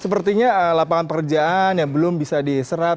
sepertinya lapangan pekerjaan yang belum bisa diserap